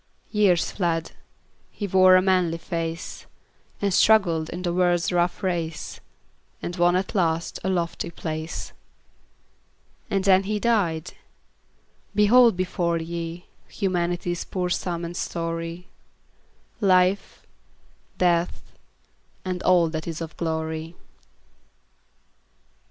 Years fled; he wore a manly face, And struggled in the world's rough race, And won at last a lofty place. And then he died! Behold before ye Humanity's poor sum and story; Life, Death, and all that is of glory.